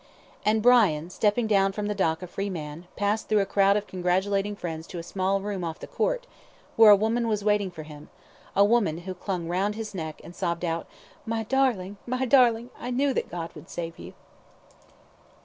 And Brian, stepping down from the dock a free man, passed through a crowd of congratulating friends to a small room off the Court, where a woman was waiting for him a woman who clung round his neck, and sobbed out "My darling! My darling! I knew that God would save you."